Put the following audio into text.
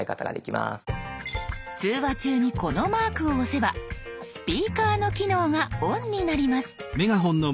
通話中にこのマークを押せばスピーカーの機能がオンになります。